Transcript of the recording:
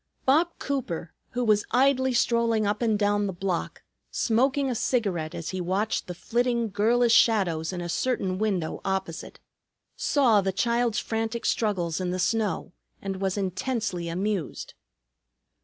Bob Cooper, who was idly strolling up and down the block, smoking a cigarette, as he watched the flitting girlish shadows in a certain window opposite, saw the child's frantic struggles in the snow and was intensely amused.